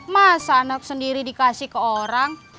mas anak sendiri dikasih ke orang